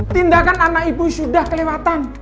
tindakan anak ibu sudah kelewatan